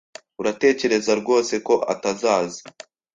Uratekereza rwose ko atazaza?